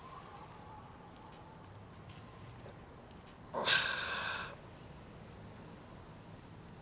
ああ。